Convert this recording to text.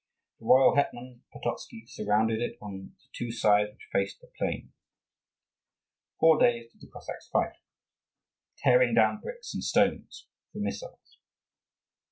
The royal hetman, Pototzky, surrounded it on the two sides which faced the plain. Four days did the Cossacks fight, tearing down bricks and stones for missiles.